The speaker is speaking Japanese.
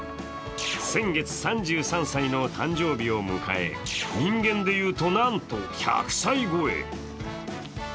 先月３３歳の誕生日を迎え人間でいうとなんと１００歳超え。